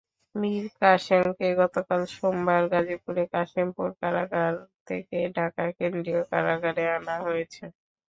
মীর কাসেমকে গতকাল সোমবার গাজীপুরের কাশিমপুর কারাগার থেকে ঢাকা কেন্দ্রীয় কারাগারে আনা হয়েছে।